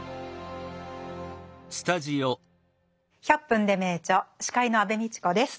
「１００分ｄｅ名著」司会の安部みちこです。